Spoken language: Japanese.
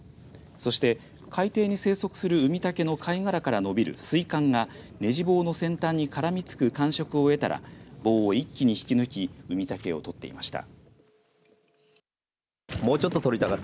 そして海底に生息するウミタケの貝殻からのびる水管がネジ棒の先端に絡みつく感触を得たら棒を一気に引き抜きウミタケをとっていました。